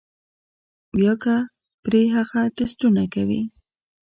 بيا کۀ پرې هغه ټسټونه کوي